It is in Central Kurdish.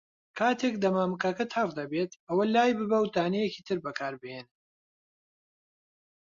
کاتێک دەمامکەکە تەڕ دەبێت، ئەوە لایببە و دانەیەکی تر بەکاربهێنە.